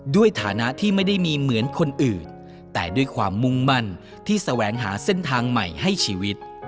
ฐานะที่ไม่ได้มีเหมือนคนอื่นแต่ด้วยความมุ่งมั่นที่แสวงหาเส้นทางใหม่ให้ชีวิต